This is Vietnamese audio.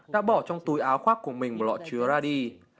đã bỏ trong túi áo khoác của mình một lọ chứa radi